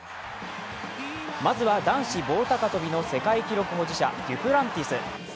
まずは男子棒高跳の世界記録保持者、デュプランティス。